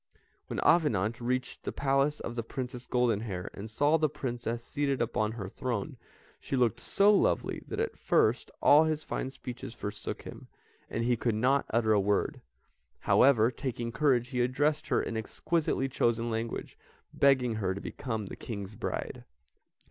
When Avenant reached the Palace of the Princess Goldenhair, and saw the Princess seated upon her throne, she looked so lovely that at first all his fine speeches forsook him, and he could not utter a word; however, taking courage, he addressed her in exquisitely chosen language, begging her to become the King's bride.